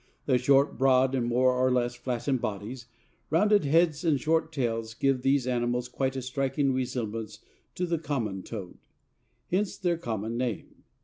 Their short, broad and more or less flattened bodies, rounded heads and short tails give these animals quite a striking resemblance to the common toad. Hence their common name.